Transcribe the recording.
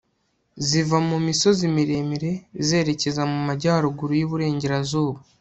ziva mu misozi miremire zerekeza mu majyaruguru y'iburengerazuba